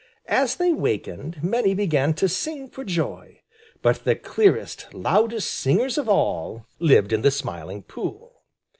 As they wakened, many began to sing for joy. But the clearest, loudest singers of all lived in the Smiling Pool.